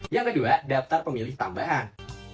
yang kedua daftar pemilih tambahan